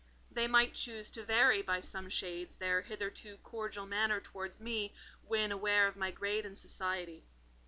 They might choose to vary by some shades their hitherto cordial manner towards me, when aware of my grade in society.